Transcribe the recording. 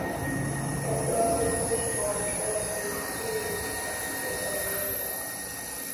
Madoa meupe huonekana kwenye ini na figo za mnyama